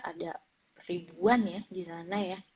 ada ribuan ya disana ya